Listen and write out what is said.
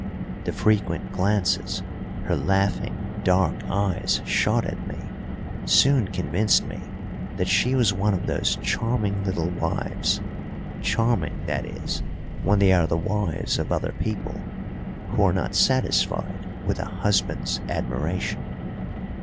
The frequent glances her laughing, dark eyes shot at me soon convinced me that she was one of those charming little wives charming, that is, when they are the wives of other people who are not satisfied with a husband's admiration.